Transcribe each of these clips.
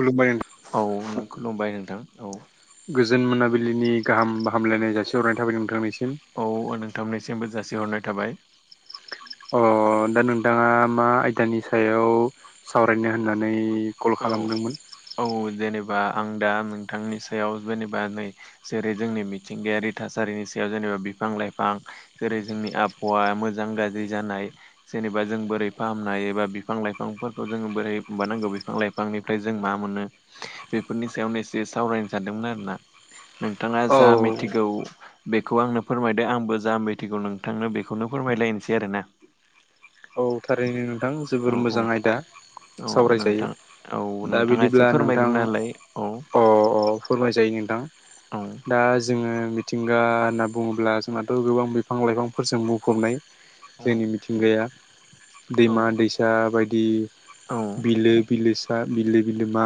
खुलुमबाय औ खुलुमबाय नोंथां औ गोजोन मोनाबिलिनि गाहाम हामलायनाय जासिहरनाय थाबाय नोंथांनिसम। औ नोंथांनिसिमबो जासिहरनाय थाबाय। अ दा नोंथाङा मा आयदानि सायाव सावरायनो होननानै कल खालामदोंमोन? बा आं दा नोंथांनि सायाव जेनेबा नै जेरै जोंनि मिथिंगायारि थासारिनि सायाव जेनेबा बिफां लाइफां जेरै जोंनि आबहावा मोजां गाज्रि जानाय जेनेबा जों बोरै फां फामनाय एबा बिफां लाइफांफोरखौ जोङो बोरै बानांगौ बे बिफां लाइफांनिफ्राय जों मा मोनो बेफोरनि सायावनो एसे सावरायनो सानदोंमोन आरोना। नोंथाङा औ जा मिथिगौ बेखौ आंनो फोरमायदो आंबो जा मिथिगौ नोंथांनो बेखौनो फोरमायलायनोसै आरोना। [inaudible] औ थारैनो नोंथां जोबोर औ मोजां औ आयदा। औ सावराय जायो नोंथां औ दा नोंथाङा एसे बिदिब्ला नोंथां फोरमायग्रोना होलाय औ अ अ फोरमायजायो। थां औ दा जोङो मिथिंगा होनना बुङोब्ला जोंहाथ' गोबां बिफां लाइफांफोरजों बुंफबनाय। औ जोंनि मिथिंगाया दैमा दैसा बायदि औ बिलो बिलोसा बिलो बिलोमा,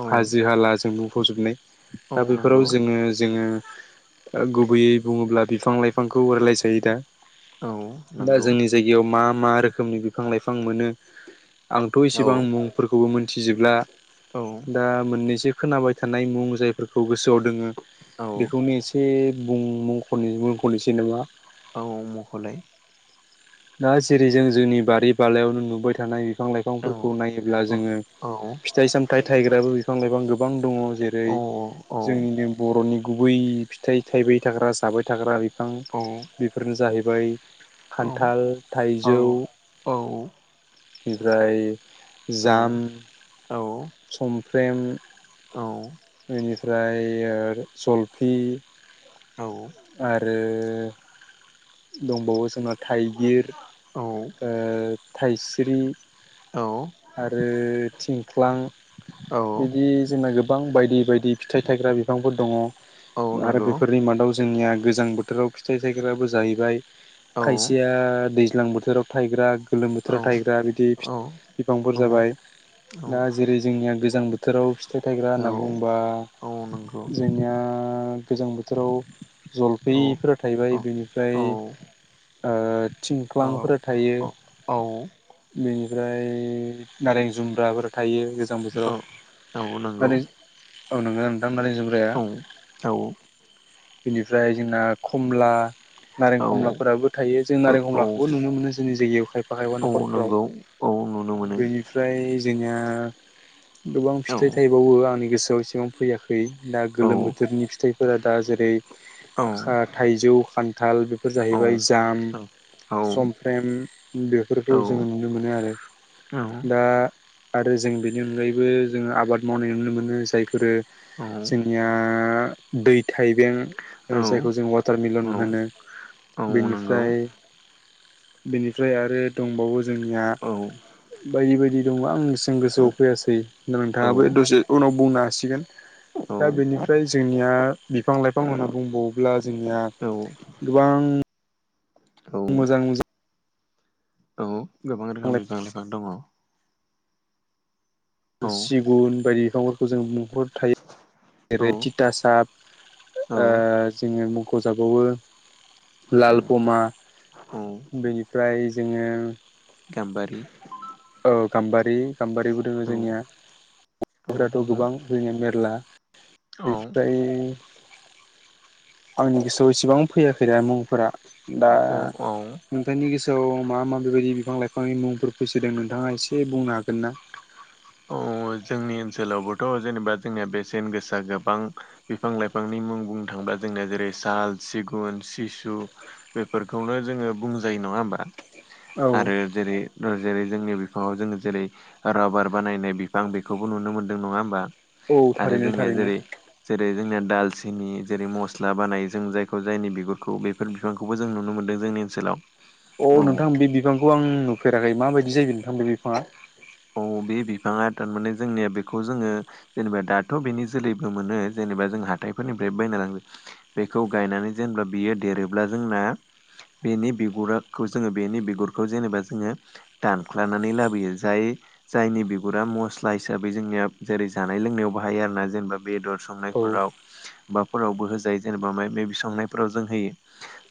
औ हाजो हाला जों बुंफबजोबनाय। औ दा बेफोराव नंगौ जोङो जोङो ओ गुबैयै बुङोब्ला बिफां लाइफांखौ रायलाय जायो दा। औ दा नंगौ जोंनि जायगायाव मा मा रोखोमनि बिफां लाइफां मोनो आंथ' औ इसेबां मुंफोरखौबो मोनथिजोबला औ दा मोननैसो खोनाबाय थानाय मुं जायफोरखौ गोसोआव दोङो औ बेखौनो एसे मुं मख'नि मुंख'निसै नामा। औ औ मख'लाय। दा जेरै जों जोंनि बारि बाालायावनो नुबाय थानाय। बिफां औ लाइफांफोरखौ नायोब्ला औ जोङो औ फिथाइ सामथाय थायग्राबो बिफां लाइफां गोबां दङ। जेरै औ औ जोंनिनो बर'नि गुबै फिथाइ थायबाय थाग्रा जाबाय थाग्रा बिफां औ बेफोरनो जाहैबाय खान थाल थाइजौ ओमफ्राय जाम। समफ्रेम। बेनिफ्राय ओर जलफि। आरो दंबावो जोंहा थाइगिर ओ थाइस्रि। औ आरो थिंख्लां औ बिदि जोंना गोब गोबां बायदि बायदि फिथाइ थायग्रा बिफांफोर दङ औ आरो नंगौ बेफोरनि मादाव जोंनिया गोजां बोथोराव फिथाइ थायग्राबो जाहैबाय औ खायसेया दैज दैलां बोथोराव थायग्रा। गोलोम औ बोथोराव थायग्रा बिदि औ बिफांफोर जाबाय दा जेरै जोंनिया गोजां बोथ बोथोराव फिथाइ थायग्रा औ होनना बुंबा औ औ नंगौ जोंनिया गोजां बोथोराव औ जलफैफोरा औ थायबाय औ बेनिफ्राय ओ। औ थिंख्लांफोर थायो औ औ बेनि ओमफ्राय नारें जुमब्राफोर थायो। गोजां औ औ नंगौ। आरो नंगौ ना नोंथां नारें जुमब्राया। औ औ बेनिफ्राय जोंना खमला नारें औ खमलाफोराबो थायो। जों नारें औ खमलाखौबो नुनो मोनो जोंनि जायगायाव खायफा खायफा औ न'खरफोराव नंगौ औ नुनो मोनो बेनिफ्राय जोंनिया गोबां औ फिथाइ थायबावो आंनि गोसोआव एसेबां फैयाखै। खै दा औ गोलोम बोथोरनि फिथाइफोरा दा जेरै औ खा थाइजौ खान्थाल बेफोर औ जाहैबाय जाम औ समफ्रेम औ बेफोरखौ जोङो नुनो मोनो आरो औ दा आरो जों बेनि अनगायैबो जोङो आबाद मावनाय नुनो मोनो जायफोरो जोंनिया दै थाइबें ओ जायखौ जों वाटारमिलन होनो नंगौ बेनिफ्राय बेनिफ्राय आरो दंबावो जोंनिया औ बायदि बायदि दङ आं जों गोसोआव फैयासै होनबा नोंथाङाबो दसे उनाव बुंनो हासिगोन। दा बेनिफ्राय जोंनिया बिफां लाइफां होनना बुंबावोब्ला जोंनिया औ गोबां औ मोजां मोजा औ गोबां रोखोमनि बिफां लाइफां दङ। औ सिगुन बायदि बिफांफोरखौ जों मु थायो औ जेरै थिथासाब ओ जोङो मु खजाखौबो लाल फमा औ बेनिफ्राय जोङो गाम्बारि औ गाम्बारि गाम्बारिबो दङ औ जोंनिया फोराथ' औ गोबां ला औ बेनिफ्राय आंनि गोसोआव इसेबां फैयाखै दा मुंफोरा दा औ औ नोंथांनि गोसोआव मा मा बेबायदि बिफां लाइफांनि मुंफोर फैसो फैदों नोंथाङा एसे बुंनो हागोन ना? सोलावबोथ' जेनेबा जोंनिया बेसेन गोसा गोबां बिफां लाइफांनि मुं बुंनो थांब्ला जोंनिया जेरै साल सिगुन सिसु बेफोरखौनो जोङो बुंजायो। नङा होमबा? औ आरो जेरै ओ जेरै जोंनि बिफाङाव जोङो जेरै राबार बानायनाय बिफां बेखौबो नुनो मोनदों। नङा होमबा? औ आरो थारैनो जोंनिया थारैनो जेरै जेरै जोंनिया दाल सिनि जेरै मस्ला बानायो जों जायखौ जायनि बिगुरखौ बेफोर बिफांखौबो जों नुनो मोनदों जोंनि ओनसोलाव। अ औ नोंथां बे बिफांखौ आं नुफेराखै माबायदि जायो नोंथां बे बिफाङा? अ बे बिफाङा थारमाने जोंनिया बेखौ जोङो जेनेबा दाथ' बेनि जोलैबो मोनो जेनेबा जोंहा हाथायफोरनिफ्रायबो बायना लाङो बेखौ गायनानै जेनेबा बियो देरोब्ला जोंना बेनि बिगुराखौ जोङो बेनि बिगुरखौ जेनेबा जोङो दानख्लानानै लाबोयो जाय जायनि बिगुरा मस्ला हिसाबै जोंनिया जेरै जानाय लोंनायाव बाहायो आरोना जेनेबा बेदर संनाय औ फ्राव बा फ्रावबो होजायो जेनेबा मे मेबि संनायफोराव जों होयो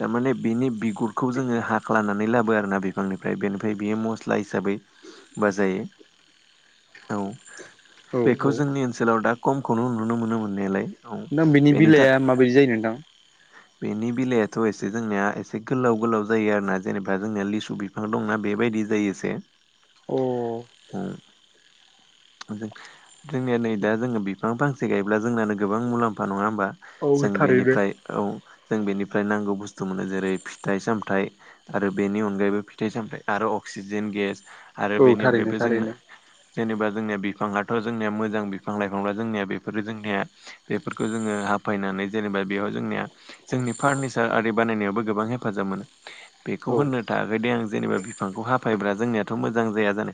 थारमाने बिनि बि बिगुरखौ जोङो हाख्लनानै लाबो आरोना बिफांनिफ्राय बेनि बियो मस्ला हिसाबै बा जायो। औ औ बेखौ औ जोंनि ओनसोलाव दा खमखौनो नुनो मोनो मोननायालाय। औ नोंथां बेनि बिलाइआ माबायदि जायो नोंथां? बेनि बिलायाथ' एसे जोंनिया एसे गोलाव गोलाव जायो आरोना जेनेबा जोंनिया लिसु बिफां दंना बेबायदि जायो एसे अ ओ जों जोंनिया नै दा जोङो बिफां फांसे गायब्ला जोंनानो गोबां मुलाम्फा नङा होमबा? औ जों थारैनो बेनिफ्राय औ जों बेनिफ्राय नांगौ बुस्थु मोनो जेरै फिथाइ सामथाय आरो बेनि अनगायैबो फिथाइ सामथाय आरो अक सिजेन गेस आरो औ बेनि थारैनो अनगायैबो जोंना थारैनो जेनेबा जोंनिया बिफांयाथ' जोंनिया मोजां बिफां लाइफां ल' जोंनिया बेफोरो जोंनिया बेफोरखौ जोङो हाफायना नै जेनेबा बेयावहाय जोंनिया जोंनि फार्निचार आरि बानायनायाव गोबां हेफाजाब मोनो बेखौ औ होन नो थायाखै दे आं जेनेबा बिफांखौ हाफायब्रा जोंनिया थ' मोजां जाया जानो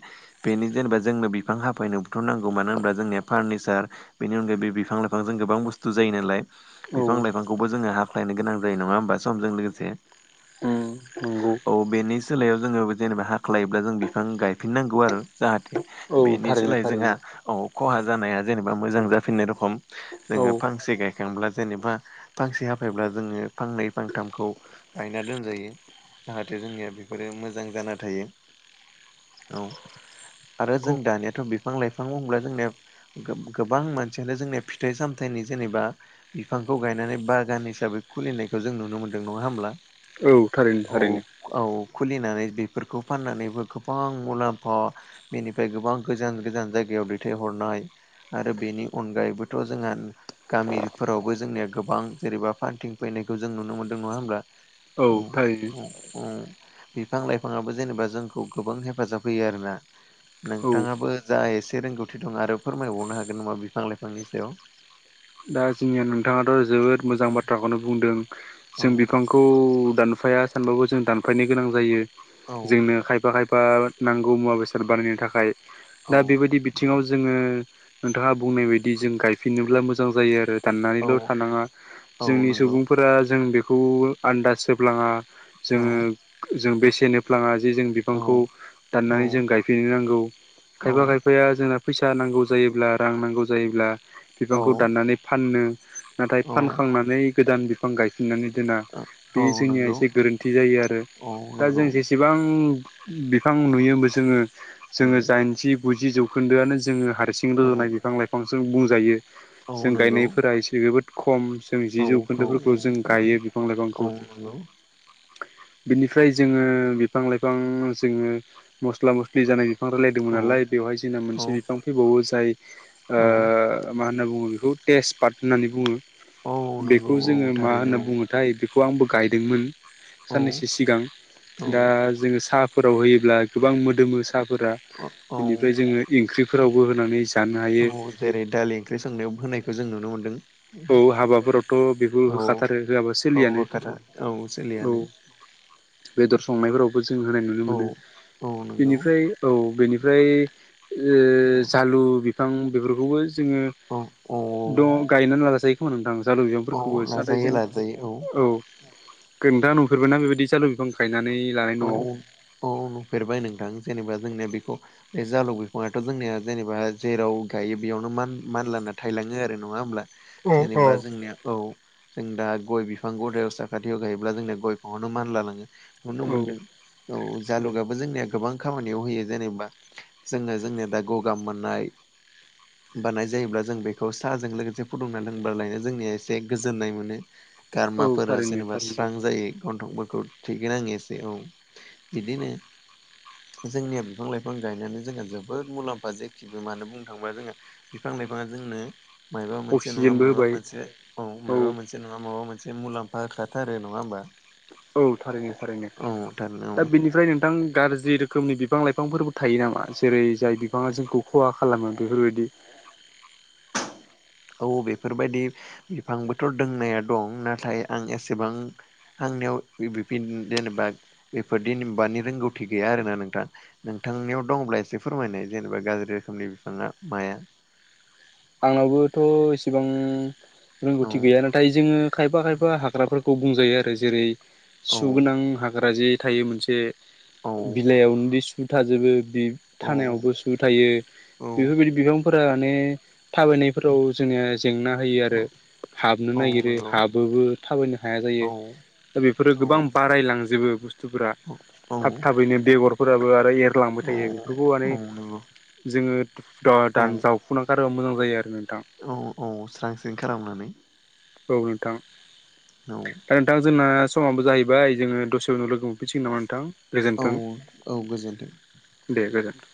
बेनि जेनेबा जोंनो बिफां हाफायनो बोथ' नांगौ मानो होनबा जोंनिया फार्निचार बेनि अनगायै बे बिफां लाइफांजों गोबां बुस्थु जायो नालाय औ बिफां लाइफांखौबो जोङो हाख्लायनो गोनां जायो। नङा होमबा? समजों लोगोसे। उम। नंगौ औ बेनि सोलायाव जोङो जेनेबा हाख्लायोब्ला जों बिफां गायफिननांगौ आरो जाहाथे औ बेनि थारैनो सोलाय जोंहा थारैनो औ। खहा जानाया जेनेबा मोजां जाफिननाय रखम औ जोङो फांसे गायखांब्ला जेनेबा फांसे हाफायब्ला जोङो फांनै फांथामखौ गायना दोनजायो। जाहाथे जोंनिया बेफोरो मोजां जाना थायो औ। आरो जों औ दानियाथ' बिफां लाइफां बुंब्ला जोंनिया गोबां मानसियानो जोंनिया फिथाइ सामथाइनि जेनेबा बिफांखौ गायनानै बागान हिसाबै खुलिनायखौ जों नुनो मोन्दों नङा होमब्ला? औ थारैनो औ थारैनो। औ खुलिनानै बेफोरखौ फाननानैबो गोबां मुलाम्फा बेनिफ्राय गोबां गोजान गोजान जायगायाव दैथायहरनाय आरो बे बेनि अनगायैबोथ' जोंहा गामिफोरावबो जोंनिया गोबां जेरैबा फान्थिं फैनायखौ जों नुनो मोनो मोनदों नङा होनब्ला? औ थारैनो। बिफां लाइफाङाबो जेनेबा जोंखौ गोबां हेफाजाब होयो आरोना। औ नोंथाङाबो जा एसे रोंगौथि दं आरो फोरमायबावनो हागोन नामा बिफां लाइफांनि सायाव। दा जोंनिया नोंथाङाथ' जोबोद मोजां औ बाथ्राखौनो बुंदों जों बिफांखौ दान फाया सानबो जों दानफायनो गोनां जायो औ जोंनो खायफा खायफा नांगौ मुवा बेसाद बानायनो थाखाय औ दा बेबायदि बिथिङाव जोङो नोंथाङा बुंनाय बायदि जों गायफिनोब्ला मोजां जायो आरो। औ दाननानैल' थानाङा औ जोंनि नंगौ सुबुंफोरा जों बेखौ आन्दाज होब्लाङा औ जोङो जों बेसेनहोफ्लाङा जे जों औ बिफांखौ औ दाननानै जों गायफिननो नांगौ खायफा खायफाया जोंना फैसा नांगौ जायोब्ला रां नांगौ जायोब्ला औ बिफांखौ दाननानै फाननो नाथाय औ फानखांनानै गोदान बिफां गायफिननानै दोना बे औ जोंनिया नंगौ एसे गोरोन्थि जायो आरो औ दा नंगौ जों जेसेबां बिफां नुयोबो जोङो औ जोङो दाइनजि गुजि जौखोन्दोआनो जोङो हारसिं औ रज'नाय बिफां लाइफांजों बुंजायो औ जों नंगौ गायनायफोरा एसे जोबोद खम जों जि औखौ औ जौखोन्दोफोरखौ जों गायो बिफां औ लाइफांखौ नंगौ बिनिफ्राय जोङो बिफां लाइफां जोङो मस्ला मस्लि जानाय बिफां औ रायलायदोंमोन नालाय बेवहाय जोंना औ मोनसे बिफां फैबावो जाय औ ओ मा होनना बुङो टेजपात होननानै औ बुङो नंगौ बेखौ औ जोङो मा होनना थारैनो बुङोथाय खौ आंबो गायदोंमोन औ साननैसो सिगां औ दा जों साह फोराव होयोब्ला गोबां मोदोमो साहफोरा औ औ बेनिफ्राय जोङो ओंख्रिफोरावबो होनानै जानो औ हायो जेरै दालि ओंख्रि संनायाव होनायखौ जों नुनो मोन्दों औ हाबाफोरावथ' बेखौ होखाथारो होआबा औ सोलियानो होखाथार औ औ सोलियानो बेदर संनायफोरावबो जों होनाय नुनो औ मोनो औ नंगौ बेनिफ्राय औ बेनिफ्राय ओ औ जालु बिफां बेफोरखौबो जोङो औ औ दङ गायनानै जायो खोमा नोंथां जालु औ बिफांफोरखौबो नाथाय लाजायो जों लाजायो औ दा नुफेरबायोना बेबायदि जालु बिफां गाय औ औ नुफेरबाय नोंथां जेनेबा जोंनि बेखौ बे जालु बिफाङाथ' जोंनिया जेनेबा जेराव गायो बेयावनो मान मानलाना थायो बेनो नङा होमब्ला औ जेनेबा जोंनिया औ जों दा गइ बिफां बिफां गदायाव साखाथियाव गायोब्ला जोंनि गइ बिफाङावनो मानला लाङो नुनो मोनो औ औ जालुगाबो जोंनिया गोबां गोबां खामानियाव होयो जेनेबा जोङो जोंनिया दा गगा मोननाय बानाय जायोब्ला जों बेखौ साहाजों लोगोसे फुदुंना लोंबा लायानो जोंनिया एसे गोजोननाय मोनो औ गारमाफोरा थारैनो जेनेबा थारैनो स्रां जायो गन्थंफोरखौ थिगै नाङै औ बिदिनो जोंनियाव बिफां लाइफां बिफां गायनानै जोंहा जोबोद मुलाम्फा जेखिबो म होन बुंनो थाङोबा जोङो बिफां लाइफाङा जोंनो मायाबा मोनसे नङा अक्सिजेनबो माबा होबाय मोनसे औ माबा मोनसे नङा माबा मोनसे मुलाम्फा बाखाथारो नंङा होमबा? औ थारैनो औ थारैनो दा बिनिफ्राय नोंथां गाज्रि रोखोमनि बिफां लाइफांफोरबो थायो नामा जेरै जाय बिफाङा जोंखौ खहा खालामो बेफोरबायदि। औ बेफोरबायदि बिफांबोथ' दोंनाया दं नाथाय आं एसेबां आं जेनेबा बेफोरदि मानि रोंगौथि गैया आरोना नोंथां नोंथनि [unintelligible] बि दंब्ला एसे फोरमायनाय जेनेबा गाज्रि रोखोमनि बिफाङा माया। आंनावबोथ' इसेबां औ रोंगौथि गैया नाथाय जोङो खायफा खायफा हाग्राफोरखौ बुंजायो आरो जेरै औ सुगोनां हाग्रा जे थायो मोनसे औ बिलाइयावनो दै सु थाजोबो बि औ थानायावबो सु थायो औ बेफोरबायदि बिफांफोरा माने थाबायनायफोराव जोंनिया जेंना होयो आरो। औ हाबनो औ नागिरो नंगौ हाबोबो थाबायनो हाया जायो औ दा बेफोरो औ गोबां बारायलांजोबो बुस्थुफोरा औ थाब थाबैनो बेगरफोराबो आरो एरलांबाय औ थायो बेफोरखौ औ माने नंगौ जोंओ औ दान जावफुनार गार्बा खाय आरो औ औ स्रां स्रिं खालामनानै। औ नोंथां औ दा नोंथां जोंना समाबो जाहैबाय जोङो दसे उनाव लोगो मोनफैनसिगोन नामा नोंथां? औ गोजोन्थों औ गोजोनथों। दे गोजोन्थों।